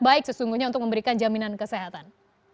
baik sesungguhnya untuk memberikan jaminan kesehatan